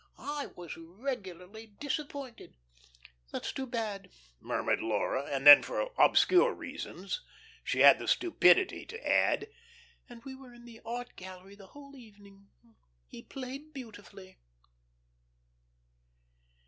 I was regularly disappointed." "That's too bad," murmured Laura, and then, for obscure reasons, she had the stupidity to add: "And we were in the art gallery the whole evening. He played beautifully."